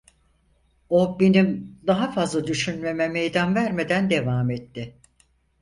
O, benim daha fazla düşünmeme meydan vermeden devam etti: